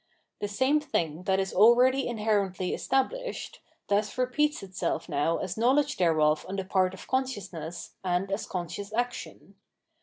The same thing that is already inherently established, thus repeats itself now as knowledge thereof on the part of consciousness and as conscious action.